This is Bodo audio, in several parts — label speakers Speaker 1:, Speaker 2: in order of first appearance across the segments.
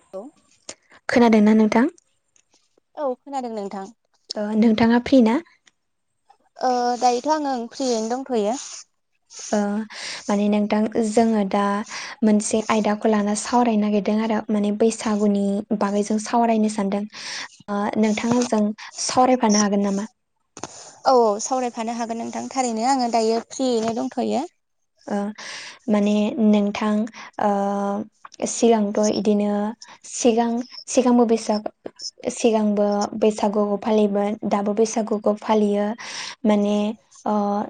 Speaker 1: हेल
Speaker 2: खोनादोंना‌ नोंथां?
Speaker 1: औव खोनादों नोंथां।
Speaker 2: ओ नोंथांङा फ्रि ना?
Speaker 1: ओ दायोथ' आंङो ओं फ्रियैनो दंथ'यो।
Speaker 2: ओ माने नोंथां जोंङो दा मोनसे आयदाखौ लाना सावरायनो नागिरदों आरो माने बैसागुनि बागैसो‌ सावरायनो सानदों ओ नोंथांङा जों सावरायफानो हागोन नामा?
Speaker 1: औ औ सावरायफानो हागोन नोंथां थारैनो आंङो दायो फ्रियैनो दंथ'यो।
Speaker 2: ओ माने नोंथां ओह सिगांथ' इदिनो सिगां सिगांबो बैसाग सिगांबो बैसागुखौ फालियोमोन दाबो बैसागुखौ फालियो माने अह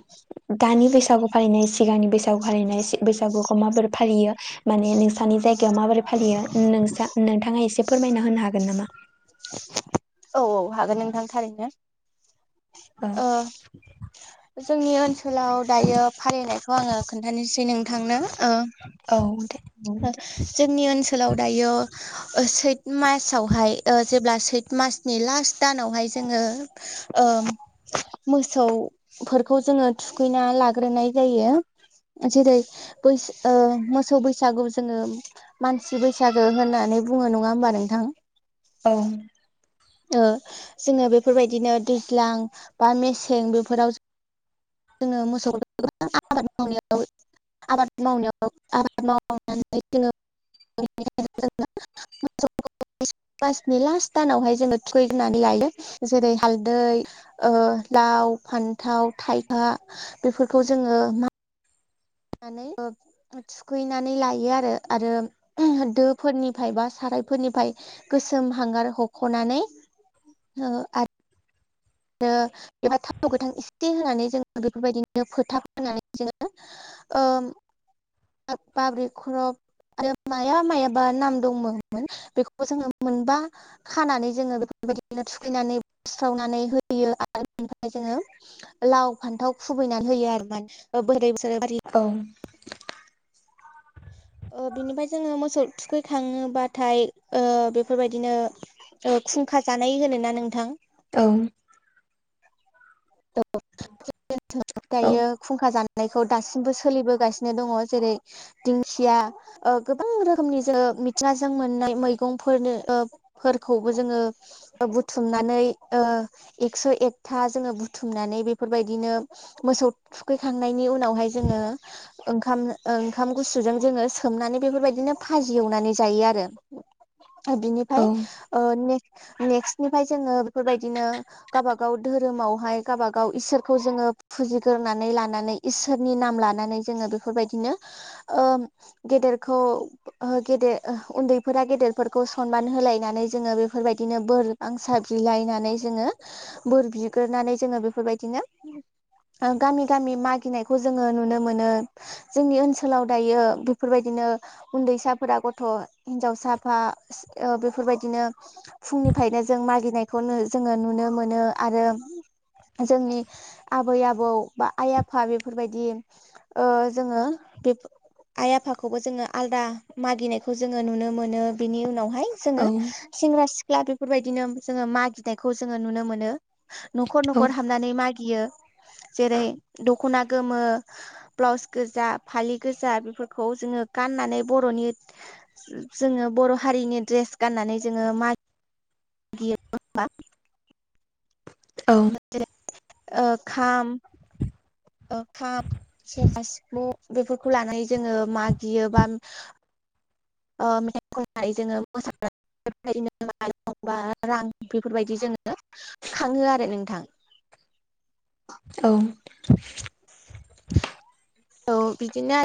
Speaker 2: दानि बैसागु फालिनाय सि सिगांनि बैसागु फालिनाय बैसागुखौ माबोरै फालियो माने नोंसानि जायगायाव माबोरै फालियो नोंसा नोंथांङा एसे फोरमायना होनो हागोन नामा?
Speaker 1: औ औ हागोन नोंथां थारैनो
Speaker 2: औ
Speaker 1: अ जोंनि ओनसोलाव दायो फालिनायखौ आङो खोन्थानोसै नोंथांनो ओ
Speaker 2: औ दे।
Speaker 1: जोंनि ओनसोलाव दायो सैत मासावहाय ओ जेब्ला सैत मासनि लास्ट दानावहाय जोङो ओ मोसौफोरखौ जोङो थुखैना लाग्रोनाय जायो। जेरै बै ओ मोसौ बैसागौ जोङो मानसि बैसागो होननानै बुङो नङा होमबा नोंथां?
Speaker 2: औ।
Speaker 1: ओ जोङो बेफोरबायदिनो दैज्लां बा मेसें बेफोराव जोङो मोसौखौ [unintelligible] गोबां आबाद मावनायाव। आबाद मावनायाव आबाद मावनानै जोङो [unintelligible] मोसौखौ सैथो [unintelligible] दाननि लास्त दानावहाय जोङो थुखैग्रोनानै लायो जेरै हालदै ओ लाउ फान्थाव थाइबा बेफोरखौ जोङो मा होनानै [unintelligible] थुखैनानै लायो आरो आरो दोफोरनिफ्राय बा सारायफोरनिफ्राय गोसोम हांगार हख'नानै ओ आ रो बेवहाय थाव‌ गोथां इसे होनानै जोङो बेफोरबायदिनो फोथा फोननानै जोङो [unintelligible] ओ बाब्रिब खरब [unintelligible] आरो माया मायाबा नाम दंबावोमोन बेखौबो जोङो मोनबा खानानै जोङो बेफोरबायदिनो थुखैनानै सुस्रावनानै होयो आरो [unintelligible] ओमफ्राय जोङो। लाव फान्थाव खुबैनानै होयो आरोमोन बोरै ओनसोल बारि [unintelligible]
Speaker 2: औ
Speaker 1: ओ बिनिफ्राय जोङो मोसौ थुखैखाङोबाथाय ओ बेफोरबायदिनो ओ खुंखा जानाय होनोना नोंथां
Speaker 2: औ
Speaker 1: [unintelligible]
Speaker 2: औ
Speaker 1: दायो खुंखा जानायखौ दासिमबो सोलिबोगासिनो दङ जेरै दिंखिया ओ गोबां रोखोमनि जोङो मिथिंगाजों मोननाय मैगंफोरनो ओ फोरखौबो जोङो बुथुमनानै ओ एक्स' एकथा जोङो बुु थुमनानै बेफोरबायदिनो मोसौ थुखैखांनायनि उनावहाय जोङो ओंखाम ओंखाम गुसुजों जोङो सोमनानै बेफोरबायदिनो भाजि एवनानै जायो आरो
Speaker 2: [inaudible]
Speaker 1: ओ
Speaker 2: औ
Speaker 1: बिनिफाय ओ ने नेक्स्टनिफ्राय जोङो बेफोरबायदिनो गावबा गाव धोरोमावहाय गावबा गाव इसोरखौ जोङो फुजिग्रोनानै लानानै इसोरनि नाम लानानै जोङो बेफोरबायदिनो ओ गेदेरखौ ओहो गेदेर ओ उन्दैफोरा गेदेरफोरखौ सनमान होलायनानै जोङो बेफोरबायदिनो बोर आं साफ्रिलायनानै [unintelligible] जोङो बोर बिग्रोनानै जोङो बेफोरबायदिनो ओ गामि गामि मागिनायखौ जोङो नुनो मोनो। जोंनि ओनसोलाव दायो बेफोरबायदिनो उन्दैसाफोरा गथ' हिनजावसाफा ओ बेफोरबायदिनो फुंनिफ्रायनो जों मागिनायखौ जोङो नुनो मोनो आरो जोंनि आबै आबौ बा आइ आफा बेफोरबायदि ओ जोङो बे आइ आफाखौबो जोङो आलादा मागिनायखौ जोङो नुनो मोनो बिनि उनावहाय जोङो सेंग्रा सिख्ला बेफोरबायदिनो जोङो मागिनायखौ जोङो नुनो मोनो न'ख खर हाबनानै मागियो जेरै दख'ना गोमो। ब्लाउस गोजा फालि गोजा बेफोरखौ जोङो गाननानै बर'नि जोङो बर' हारिनि ड्रेस गाननानै जोङो मा गियो।
Speaker 2: औ।
Speaker 1: ओ खाम ओ खाम सेरा सिफुं बेफोरखौ लानानै जोङो मागियो बा। ओ मेथाइ खननाय जोङो मोसानाय [unintelligible] रां बेफोरबायदि जोङो खाङो आरो नोंथां।
Speaker 2: औ।
Speaker 1: औ बिदिनो।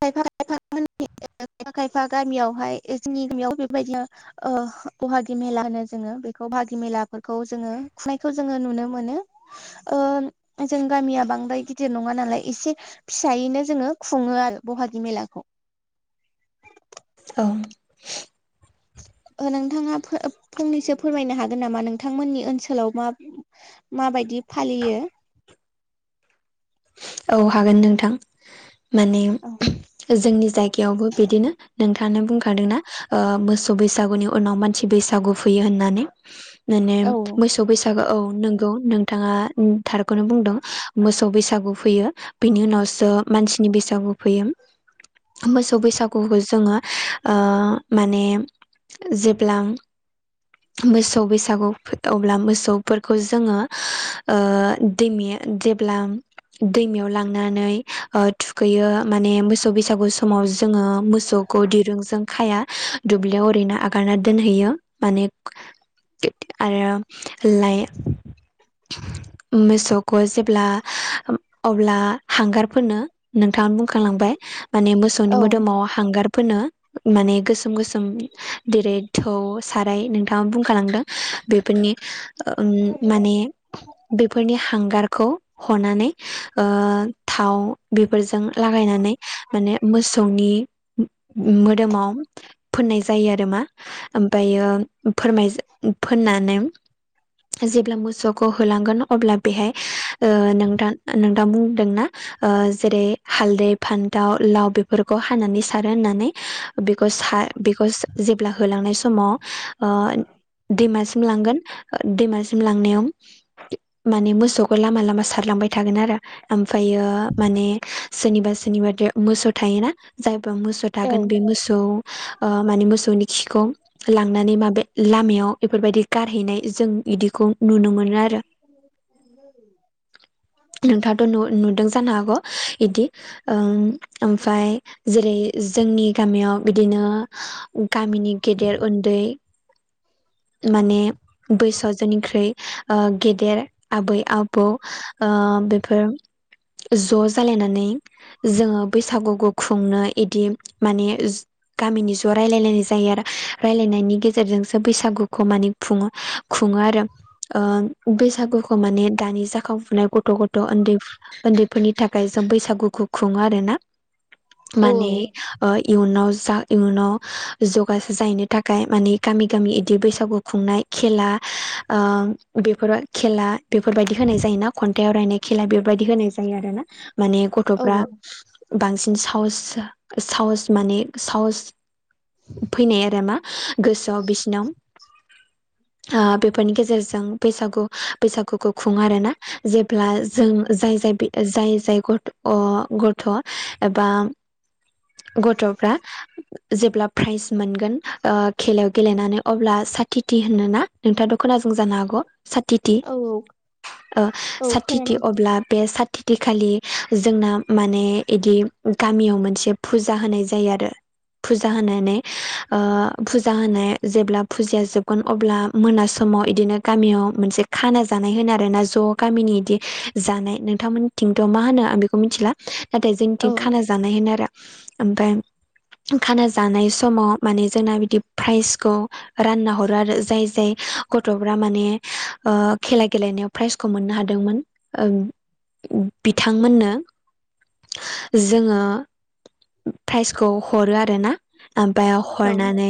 Speaker 1: खायफा खायफा खायफा खायफा गामियावहाय जोंनि गामियाव बेबायदिनो। ओ बहागि मेला होनो जोङो बेखौ बाहागि मेलाफोरखौ जोङो खुनायखौ जोङो नुनो मोनो। ओ जों गामिया बांद्राय गिदिर नङा नालाय एसे फिसायैनो जोङो खुङो आरो बहागि मेलाखौ।
Speaker 2: औ
Speaker 1: ओ नोंथाङा फंनैसो फोरमायनो हागोन नामा नोंथांमोननि ओनसोलाव मा मा बायदि फालियो।
Speaker 2: औ हागोन नोंथां माने
Speaker 1: औ
Speaker 2: जोंनि जायगायावबो बिदिनो। नोंथाङानो बुंखादोंना मोसौ बैसागुनि उनाव मानसि बैसागु फैयो होननानै। माने
Speaker 1: औ
Speaker 2: मोसौ बैसागो औ नोंगौ नों थाङा थारखौनो बुंदों मोसौ बैसागु। फैयो बिनि उनावसो मानसिनि बैसागु फैयो। मोसौ बैसागुखौ जोङो ओ माने। जेब्लां मोसौ बैसागु अब्ला मोसौफोरखौ जोङो ओ दैमाया जेब्ला दैमायाव लांनानै ओ थुखैयो माने मोसौ बैसागु समाव जोङो मोसौ। ग दिरुंजों खाया दुब्लियाव ओरैनो आगारना दोनहैयो माने आरो लाइ मोसौखौ जेब्ला। अब्ला हांगार फोनो नोंथाङा बुंखालांबाय माने मोसौनि
Speaker 1: औ
Speaker 2: मोदोमाव हांगार फोनो। माने गोसोम गोसोम देरै थौ साराय नोंथाङा बुंखालांदों बेफोरनि। ओ माने बेफोरनि हांगारखौ हनानै। ओ थाव। बेफोरजों लागायनानै माने मोसौनि मोदोमाव। फोननाय जायो आरो मा ओमफायो फोरमाय फोननानै। जेब्ला मोसौखौ होलांगोन अब्ला बेहाय ओ नोंथा। नोंदां बुंदोंना ओ जेरै हालदै फान्थाव लाव बेफोरखौ हानानै सारो होननानै। बेखौ सा बेखौ जेब्ला होलांनाय समाव। ओ दैमासिम लांगोन। दैमा सिम लांनायाव माने मोसौखौ लामा लामा सारलांबाय थागोन आरो। आमफायो माने सोरनिबा सोरनिबादो मोसौ थायोना जायबा मोसौ।
Speaker 1: औ
Speaker 2: दागोन बे मोसौ ओ माने मोसौनि खिखौ। लांनानै माबे लामायाव बेफोरबायदि गारहैनाय जों इदिखौ नुनो मोनो आरो।
Speaker 1: [inaudible]
Speaker 2: नोंथाङाथ' नु नुदों जानो हागौ इदि। ओं ओमफाय जेरै जोंनि गामियाव बिदिनो गामिनि गेदेर उन्दै माने बैसोआव जोंनिख्रुइ ओ गेदेर आबै आबौ ओ बेफोर ज' जालायनानै जोङो बैसागुखौ खुंनो इदि माने गामिनि ज' रायलायलायनाय जायो आरो रायलायनायनि गेजेरजोंसो बैसागुखौ माने खुङो खुङो आरो ओ बैसागुखौ माने दानि जाखांफुनाय गथ' गथ' ओन्दैफ ओन्दैफोरनि थाखाय जों बैसागुखौ खुङो आरो ना माने ओ इयुनाव जा इयुनाव जगास जाहैनो थाखाय माने गामि गामि इदि बैसागु खुंनाय खेला ओ बेफोर खेला बेफोरबायदि होनाय जायोना खन्थाइाव आवरायनाय खेला बेफोरबायदि होनाय जायो आरो ना माने गथ'फ्रा
Speaker 1: औ
Speaker 2: बांसिन साहस साहस माने साहस फैनाय आरो मा गोसोआव बिसिनाव ओ बेफोरनि गेजेरजों बैसागु बैसागुखौ खुङो आर ना जेब्ला जों जाय जाय बि ग गथ' एबा गथ'फ्रा जेब्ला फ्राइज मोनगोन ओ खेलायाव गेलेनानै अब्ला साखिथि होनोना नोंथाङा थ' खोनाजों जानो हागौ साथिथि
Speaker 1: औ
Speaker 2: ओ
Speaker 1: औ
Speaker 2: साथिथि
Speaker 1: खोनादों
Speaker 2: अब्ला बे साथ थिथिखालि जोंना माने इदि गामियाव मोनसे फुजा होनाय जायो आरो फुजा होनानै ओ फुजा होनाय जेब्ला फुजिाया जोबगोन अब्ला मोना समाव इदिनो गामियाव मोनसे खाना जानाय होनो आरो ना ज ज' गामिनि इदि जानाय नोंथमोनिथिंथ' मा होनो आं बेखौ मिनथिला नाथाय
Speaker 1: औ
Speaker 2: जोंनिथिं खाना‌ जा जानाय होनो आरो ओमफाय खाना जानाय समाव माने जोंना बिदि फ्राइजखौ रानना हरो आरो जाय जाय गथ'फ्रा माने ओ खेला गेलेनायाव फ्राइजखौ मोननो हादोंमोन ओं बिथांमोननो जोङो फ्राइजखौ हरो आरो ना ओमफाय
Speaker 1: औ
Speaker 2: हरनानै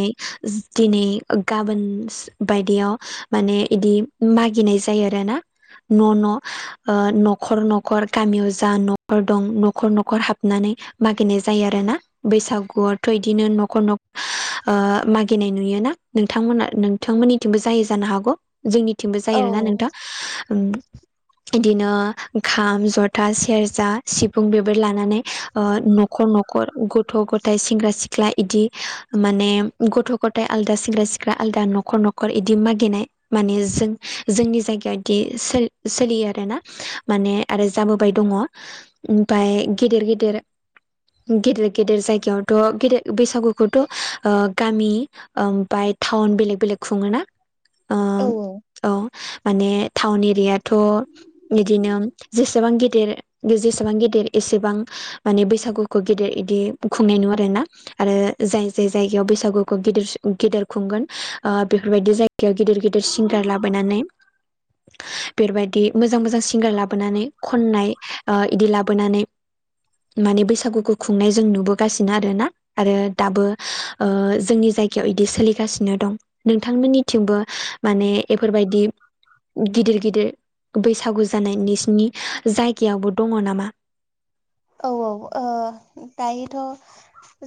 Speaker 2: दिनै ओ गाबोनस बायदियाव माने इदि मागिनाय जायो आरोना न' न' ओ न'खर न'खर गामियाव जा न'खर दं न'खर न'खर हाबनानै मागिनाय जा जायो आरोना बैसागुआथ' इदिनो न'खर न'ख ओ मागिनाय नुयोना नोंथांमोना नोंथांमोनिथिंबो जायो जानो हागौ जोंनिथिंबो जायो
Speaker 1: औ
Speaker 2: आरोना‌ नोंथां इदिनो खाम जथा सेरजा सिफुं बेफोर लानानै ओ नख खर न'खर गथ' गथाइ सेंग्रा सिख्ला इदि माने गथ' गथ थाय आलदा सेंग्रा सिख्ला आलदा न'खर न'खर इदि मागिनाय माने जों जोंनि जायगायाव इदि सो-सोलियो आरोना माने आरो जाबोबाय दङ ओमफाय गिदिर गिदिर गेदेर गेदेर जायगायावथ' गेदर बैसागुखौथ' ओ गामि ओमफाय टाउन बेलेग बेलेग खुङोना
Speaker 1: औ
Speaker 2: ओम औ माने टाउन एरियाथ' इदिनो जेसेबां गेदेर जेसेबां गेदेर एसेबां माने बैसा सागुखौ गेदेर इदि खुंनाय नुया आरो ना। आरो जाय जाय जायगायाव बैसागुखौ गेदेर सो गेदेर खुंगोन ओ बेफोर बायदि जाय गायाव गिदिर गिदिर सिंगार लाबायनानै बेफोरबायदि मोजां मोजां सिंगार लाबोनानै खननाय ओ इदि लाबोनानै माने बैसागुखौ खुंनाय जों नुबोगासिनो आरो ना। आरो दाबो ओ जोंनि जायगायाव इदि सोलिगासिनो दं। नोंथांमोननिथिंबो माने बेफोरबायदि गिदिर गिदिर बैसागु जानाय निसिनि जायगायावबो दङ नामा?
Speaker 1: औ औ ओ दायोथ'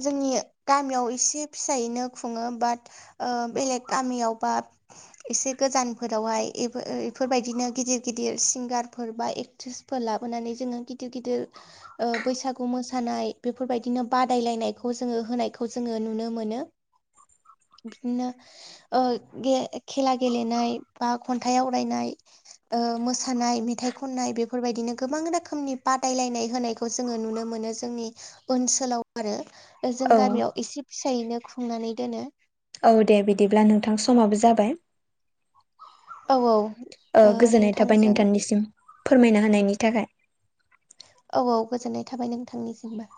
Speaker 1: जोंनि गामियाव एसे फिसायैनो खुङो बाद ओ बेलेग गामियाव बा एसे गोजानफोरावहाय एफो-एफोरबायदिनो गिदिर गिदिर सिंगारफोर बा एक्ट्रिस फोर लाबोनानै जोङो गिदिर गिदिर
Speaker 2: [inaudible]
Speaker 1: ओ बैसागु मोसानाय बेफोरबायदिनो बादायलायनायखौ जोङो होनायखौ जोङो नुनो मोनो।
Speaker 2: [inaudible]
Speaker 1: बिनिनो ओ गे खेला गेलेनाय बा खन्थाइ आवरायनाय ओ मोसानाय मेथाइ खननाय बेफोरबायदिनो गोबां रोखोमनि बादायलायनाय होनायख खौ जोङो नुनो मोनो जोंनि ओनसोलाव आरो जों
Speaker 2: औ
Speaker 1: गामियाव एसे फिसायैनो खुंनानै दोनो।
Speaker 2: औ दे बिदिब्ला नोंथां समाबो जाबाय।
Speaker 1: औ औ
Speaker 2: ओ गोजोननाय थाबाय नोंथांनिसिम फोरमायना होनायनि थाखाय।
Speaker 1: औ औ गोजोननाय थाबाय नोंथांनिसिमबो।